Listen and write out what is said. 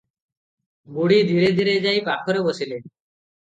ବୁଢ଼ୀ ଧିରେ ଧିରେ ଯାଇ ପାଖରେ ବସିଲେ ।